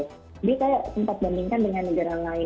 jadi kayak sempat bandingkan dengan negara lain